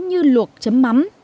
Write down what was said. như luộc chấm mắm